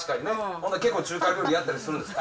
ほんなら結構中華料理やったりするんですか。